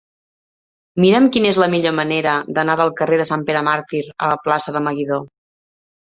Mira'm quina és la millor manera d'anar del carrer de Sant Pere Màrtir a la plaça de Meguidó.